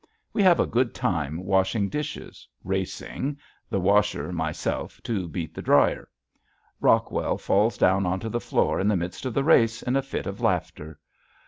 We have a good time washing dishes, racing, the washer, myself, to beat the dryer. Rockwell falls down onto the floor in the midst of the race in a fit of laughter.